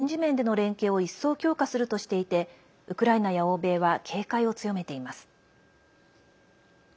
プーチン大統領はベラルーシとの軍事面での連携を一層強化するとしていてウクライナや欧米は警戒を強めています。